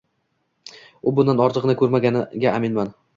U bundan ortig’ini ko’rmaganiga aminman.